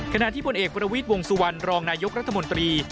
ขณะที่ผลเอกประวิทย์วงสุวรรณรองนายกรัฐมนตรี